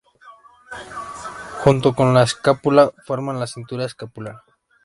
Junto con la escápula forman la cintura escapular.